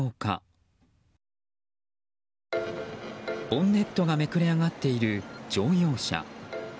ボンネットがめくれ上がっている乗用車。